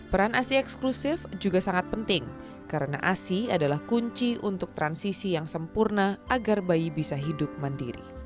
peran asi eksklusif juga sangat penting karena asi adalah kunci untuk transisi yang sempurna agar bayi bisa hidup mandiri